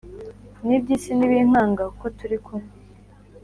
n’iby’isi ntibinkanga, kuko turi kumwe